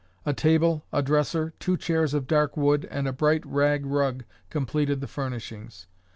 A table, a dresser, two chairs of dark wood and a bright rag rug completed the furnishings.